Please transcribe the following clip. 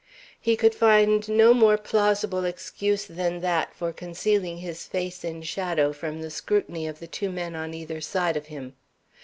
He could find no more plausible excuse than that for concealing his face in shadow from the scrutiny of the two men on either side of him.